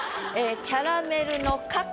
「キャラメルの香か」。